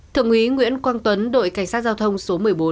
thượng úy nguyễn quang tuấn đội cảnh sát giao thông số một mươi bốn